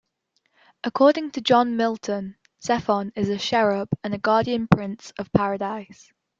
According to John Milton, Zephon is a cherub and a guardian prince of Paradise.